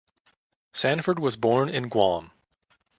Sanford was born in Guam.